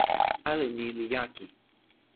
ale ni li jaki.